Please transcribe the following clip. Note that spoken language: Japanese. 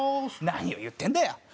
何を言ってんだよ！